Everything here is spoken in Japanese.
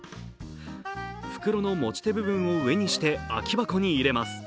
袋の持ち手部分を上にして空箱に入れます。